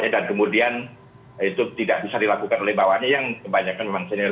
dan kemudian itu tidak bisa dilakukan oleh bawahnya yang kebanyakan memang senior